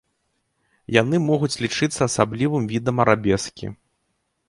Яны могуць лічыцца асаблівым відам арабескі.